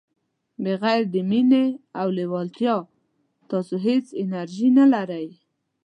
بغير د مینې او لیوالتیا تاسو هیڅ انرژي نه لرئ.